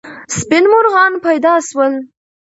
سپین مرغان پیدا سول.